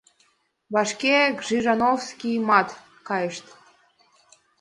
Вашке Кржижановскиймытат кайышт.